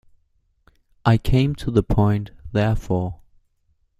I came to the point, therefore.